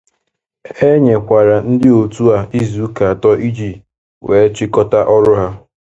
E nyekwara ndị òtù a izuụka atọ iji wee chịkọta ọrụ ha